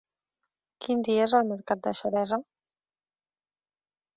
Quin dia és el mercat de Xeresa?